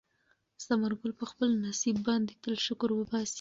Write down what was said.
ثمر ګل په خپل نصیب باندې تل شکر وباسي.